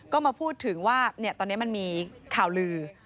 ก็มาพูดถึงว่าตอนนี้มันมีข่าวลือ